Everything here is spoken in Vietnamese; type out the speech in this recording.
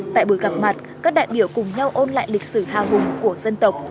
tại buổi gặp mặt các đại biểu cùng nhau ôn lại lịch sử hào hùng của dân tộc